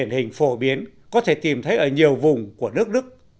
điển hình phổ biến có thể tìm thấy ở nhiều vùng của nước đức